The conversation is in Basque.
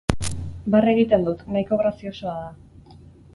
Barre egiten dut, nahiko graziosoa da.